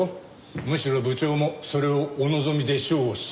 むしろ部長もそれをお望みでしょうし。